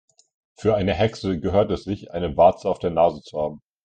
Für eine Hexe gehört es sich, eine Warze auf der Nase zu haben.